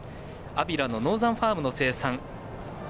安平のノーザンファームの生産。